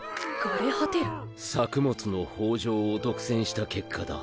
作物の豊穣を独占した結果だ。